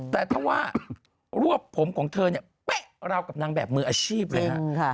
แต่ถ้าว่ารวบผมของเธอเนี่ยเป๊ะราวกับนางแบบมืออาชีพเลยฮะ